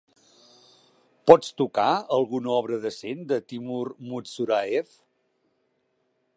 Pots tocar alguna obra decent de Timour Moutsouraev?